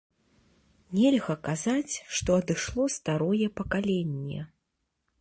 Нельга казаць, што адышло старое пакаленне.